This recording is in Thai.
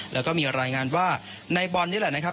แล้วก็มีรายงานว่าในบอลนี่แหละนะครับ